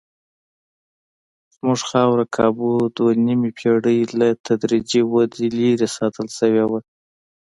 زموږ خاوره کابو دوه نیمې پېړۍ له تدریجي ودې لرې ساتل شوې وه.